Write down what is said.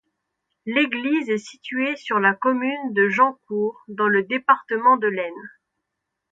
L'église est située sur la commune de Jeancourt, dans le département de l'Aisne.